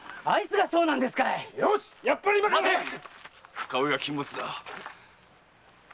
深追いは禁物だ。